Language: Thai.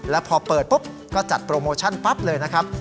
แล้วพอเปิดปุ๊บก็จัดโปรโมชั่นปั๊บเลยนะครับ